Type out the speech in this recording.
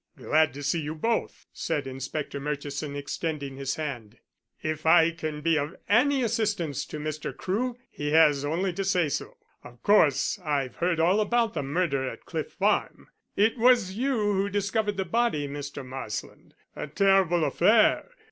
"Glad to see you both," said Inspector Murchison, extending his hand. "If I can be of any assistance to Mr. Crewe he has only to say so. Of course I've heard all about the murder at Cliff Farm. It was you who discovered the body, Mr. Marsland. A terrible affair.